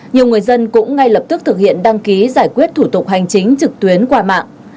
nhiều người dân cũng ngay lập tức thực hiện đăng ký giải quyết thủ tục hành chính trực tuyến qua mạng